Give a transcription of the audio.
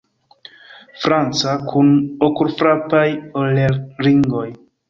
Franca, kun okulfrapaj orelringoj.